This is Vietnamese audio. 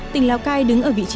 tỉnh lào cai đứng ở vị trí thứ bảy